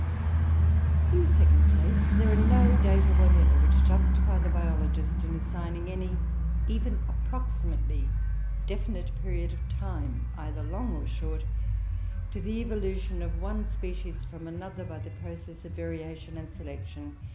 In the second place, there are no data whatever, which justify the biologist in assigning any, even approximately definite, period of time, either long or short, to the evolution of one species from another by the process of variation and selection.